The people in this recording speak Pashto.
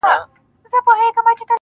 • ه مړ او ځوانيمرگ دي سي.